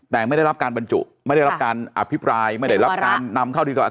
แต่ไม่ได้รับการบรรจุไม่ได้รับการอภิปรายไม่ได้รับการนำเข้าที่